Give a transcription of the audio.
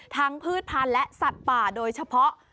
พืชพันธุ์และสัตว์ป่าโดยเฉพาะ